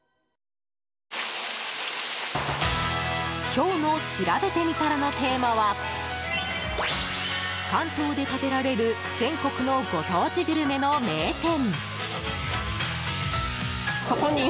今日のしらべてみたらのテーマは関東で食べられる全国のご当地グルメの名店。